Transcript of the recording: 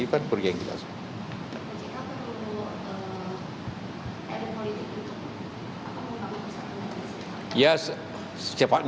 pak cik kamu perlu erik politik untuk membangun kesempatan